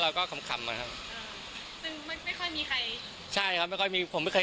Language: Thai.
เขาก็เลยแบบทำอะไรฮามากกว่าอะไรอย่างเงี้ย